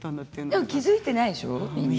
でも気付いていないでしょう？